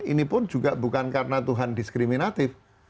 ini pun juga bukan karena tuhan diskriminatif